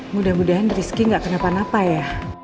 mudah mudahan rizky gak kenapa napa ya